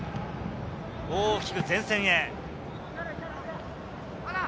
大きく前線へ。